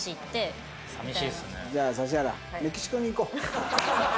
じゃあ指原メキシコに行こう。